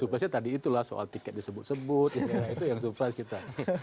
surprise nya tadi itulah soal tiket disebut sebut itu yang surprise kita